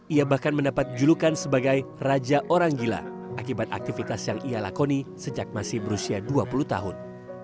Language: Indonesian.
ia bahkan mendapat julukan sebagai raja orang gila akibat aktivitas yang ia lakoni sejak masih berusia dua puluh tahun